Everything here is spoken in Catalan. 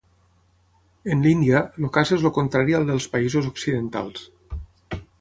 En l'Índia, el cas és el contrari al dels països occidentals.